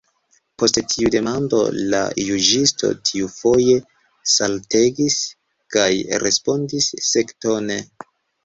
Post tiu demando la juĝisto tiufoje saltegis, kaj respondis sektone.